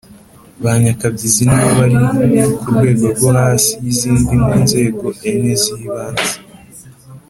ba nyakabyizi, ni bo bari ku rwego rwo hasi y’izindi mu nzego enye z’ibanze